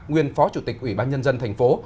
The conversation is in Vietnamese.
nguyên phó chủ tịch ủy ban nhân dân thành phố